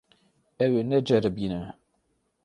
Ew ê neceribîne.